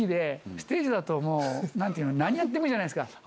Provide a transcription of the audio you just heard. ステージだともう、なんていうの、何やってもいいじゃないですか。